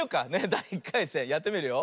だい１かいせんやってみるよ。